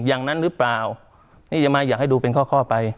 อย่างนั้นหรือเปล่านี่จะมาอยากให้ดูเป็นข้อไป